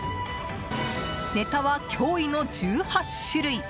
ネタは、驚異の１８種類。